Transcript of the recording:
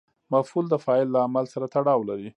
مفعول د فاعل له عمل سره تړاو لري.